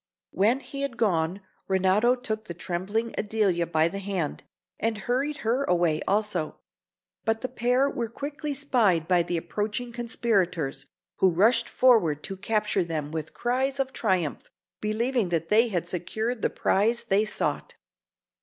When he had gone Renato took the trembling Adelia by the hand, and hurried her away also; but the pair were quickly spied by the approaching conspirators, who rushed forward to capture them with cries of triumph, believing that they had secured the prize they sought.